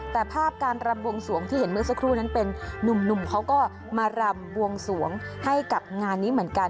แต่ภาพการรำบวงสวงที่เห็นเมื่อสักครู่นั้นเป็นนุ่มเขาก็มารำบวงสวงให้กับงานนี้เหมือนกัน